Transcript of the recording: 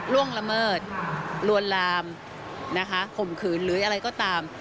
ล่วงละเมิดลวนลามนะคะข่มขืนหรืออะไรก็ตาม